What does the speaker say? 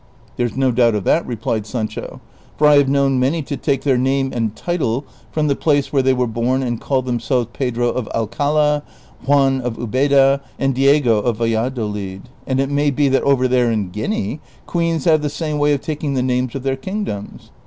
'' There 's no doubt of that," replied Sancho, " for I have known many to take their name and title from the place where they were born and call themselves Pedro of Alcala, Juan of tJbeda, and Diego of Valladolid ; and it may be that over there in Guinea queens have the same way of taking the names of their kingdoms."